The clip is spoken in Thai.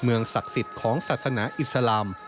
เมืองศักดิ์สิทธิ์ของศาสนาอิสลาม